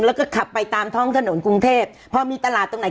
แล้วก็ขับไปตามท้องถนนกรุงเทพพอมีตลาดตรงไหน